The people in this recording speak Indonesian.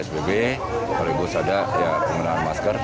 psbb kalau ibu sadar ya mengenal masker